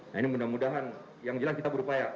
nah ini mudah mudahan yang jelas kita berupaya